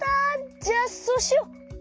じゃあそうしよう！